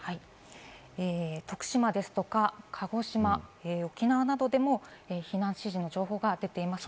徳島、鹿児島、沖縄などでも避難指示の情報が出ています。